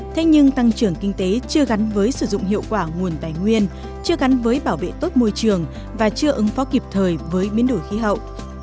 thế nhưng tăng trưởng kinh tế chưa gắn với sử dụng hiệu quả nguồn tài nguyên chưa gắn với bảo vệ tốt môi trường và chưa ứng phó kịp thời với biến đổi khí hậu